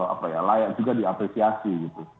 apa ya layak juga diapresiasi gitu